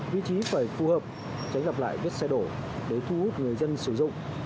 vị trí phải phù hợp tránh gặp lại vết xe đổ để thu hút người dân sử dụng